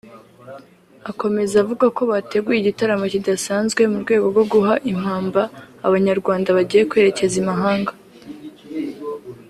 Akomeza avuga ko bateguye igitaramo kidasanzwe mu rwego rwo guha impamba Abanyarwanda bagiye kwerekeza i Mahanga